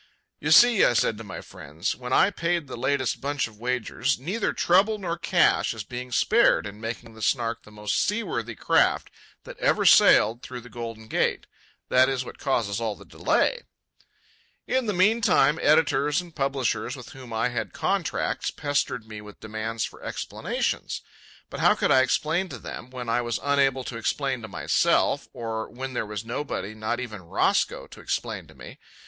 "You see," I said to my friends, when I paid the latest bunch of wagers, "neither trouble nor cash is being spared in making the Snark the most seaworthy craft that ever sailed out through the Golden Gate—that is what causes all the delay." In the meantime editors and publishers with whom I had contracts pestered me with demands for explanations. But how could I explain to them, when I was unable to explain to myself, or when there was nobody, not even Roscoe, to explain to me?